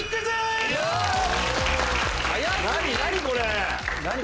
何これ！